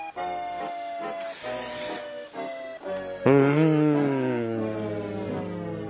うん。